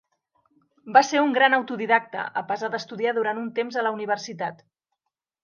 Va ser un gran autodidacte, a pesar d'estudiar durant un temps a la universitat.